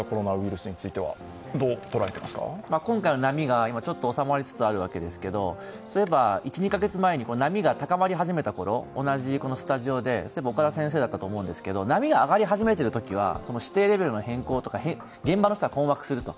今回の波がちょっと収まりつつあるわけですけれども、そういえば１２か月前に波が高まり始めたころ同じスタジオで、岡田先生だったと思うんですけど、波が上がり始めているときは指定レベルの変更とか現場の人は困惑すると。